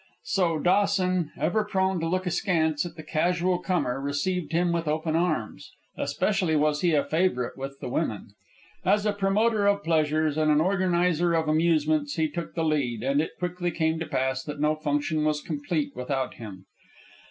So Dawson, ever prone to look askance at the casual comer, received him with open arms. Especially was he a favorite with the women. As a promoter of pleasures and an organizer of amusements he took the lead, and it quickly came to pass that no function was complete without him.